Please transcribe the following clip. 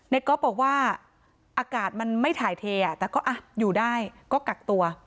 ก๊อฟบอกว่าอากาศมันไม่ถ่ายเทแต่ก็อยู่ได้ก็กักตัว